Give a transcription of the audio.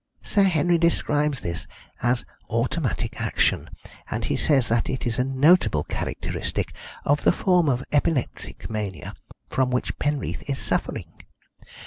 Sir Henry describes this as automatic action, and he says that it is a notable characteristic of the form of epileptic mania from which Penreath is suffering.